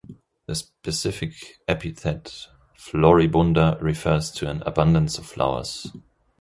The specific epithet "floribunda" refers to an abundance of flowers.